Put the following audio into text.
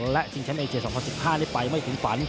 และชิงชั้นไอเจส๒๐๑๕ได้ไปไม่ถึงฝัน